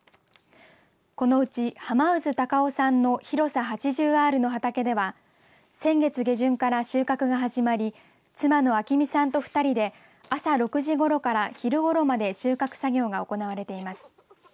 このうち、はま渦孝夫さんの広さ８０アールの畑では先月下旬から収穫が始まり妻の安喜美さんと２人で朝６時ごろから昼ごろまで収穫作業が行われています。